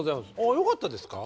よかったですか？